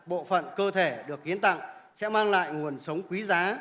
mỗi mô tạng bộ phận cơ thể được hiến tạng sẽ mang lại nguồn sống quý giá